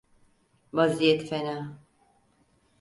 Vaziyet fena…